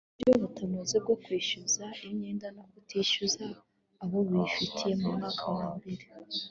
uburyo butanoze bwo kwishyuza imyenda no kutishyura abo biyifitiye mu mwaka wambere